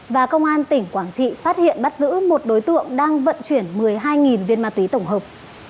và công an tỉnh quảng trị phát hiện bắt giữ một đối tượng đang vận chuyển một mươi hai viên ma túy tổng hợp